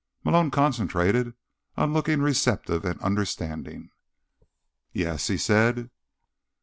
Malone concentrated on looking receptive and understanding. "Yes?" he said.